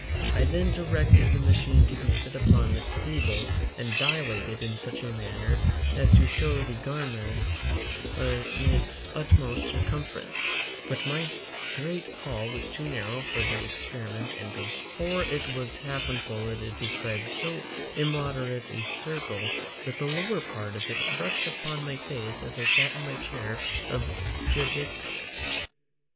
I then directed the machine to be set upon the table and dilated in such a manner as to show the garment in its utmost circumference; but my great hall was too narrow for the experiment; for before it was half unfolded, it described so immoderate a circle, that the lower part of it brushed upon my face as I sat in my chair of judicature.